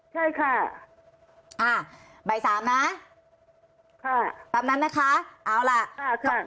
ใช่ค่ะอ่าบ่ายสามนะค่ะตามนั้นนะคะเอาล่ะค่ะ